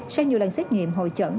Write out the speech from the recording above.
sau nhiều lần xét nghiệm hội trận